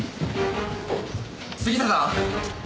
杉下さん？